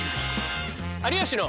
「有吉の」。